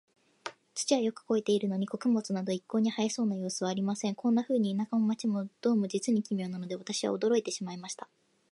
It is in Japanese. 土はよく肥えているのに、穀物など一向に生えそうな様子はありません。こんなふうに、田舎も街も、どうも実に奇妙なので、私は驚いてしまいました。